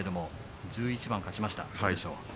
１１番勝ちました。